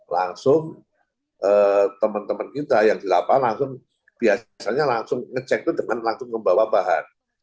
langsung teman teman kita yang di lapangan langsung biasanya langsung ngecek itu dengan langsung membawa bahan